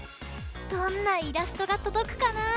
どんなイラストがとどくかな！